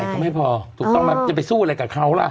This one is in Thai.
คือเท่าไหร่ก็ไม่พอถูกต้องนะจะไปสู้อะไรกับเขาล่ะ